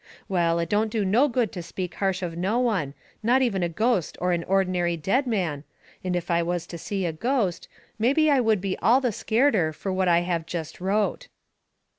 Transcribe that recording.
Well, it don't do no good to speak harsh of no one, not even a ghost or a ordinary dead man, and if I was to see a ghost, mebby I would be all the scareder fur what I have jest wrote.